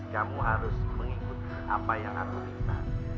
kamu harus mengikuti apa yang aku minta